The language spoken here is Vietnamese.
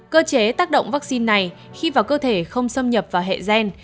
cơ chế tác động vaccine này khi vào cơ thể không xâm nhập vào hệ gen